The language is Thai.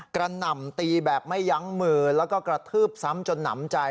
หน่ำตีแบบไม่ยั้งมือแล้วก็กระทืบซ้ำจนหนำใจ